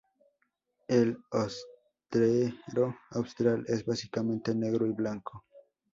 El ostrero austral es básicamente negro y blanco.